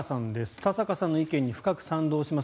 田坂さんの意見に深く賛同します。